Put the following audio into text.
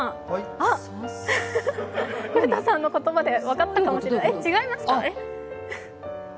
古田さんの言葉で分かったかもしれない、違いますか？